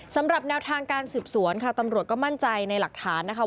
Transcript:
สำหรับแนวทางการสืบสวนค่ะตำรวจก็มั่นใจในหลักฐานนะคะ